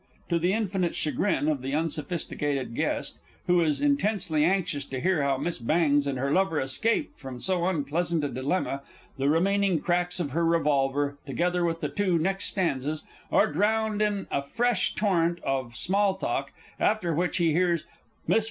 [To the infinite chagrin of the UNSOPHISTICATED GUEST, _who is intensely anxious to hear how Miss Bangs and her lover escaped from so unpleasant a dilemma the remaining cracks of her revolver, together with the two next stanzas, are drowned in afresh torrent of small talk after which he hears_ MISS F.